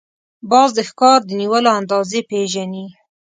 باز د ښکار د نیولو اندازې پېژني